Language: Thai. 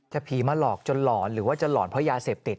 ผีมาหลอกจนหลอนหรือว่าจะหลอนเพราะยาเสพติด